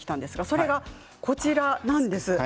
それが、こちらです。